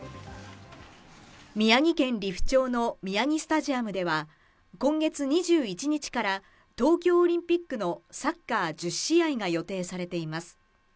宮城県利府町の宮城スタジアムでは今月２１日から東京オリンピックのサッカー１０試合が予定されています。